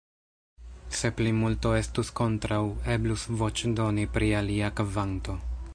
Se plimulto estus kontraŭ, eblus voĉdoni pri alia kvanto.